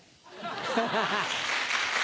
ハハハ。